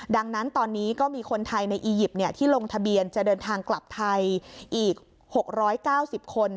ดังนั้นตอนนี้ก็มีคนไทยในอียิปต์ที่ลงทะเบียนจะเดินทางกลับไทยอีก๖๙๐คน